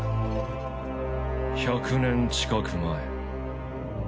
１００年近く前。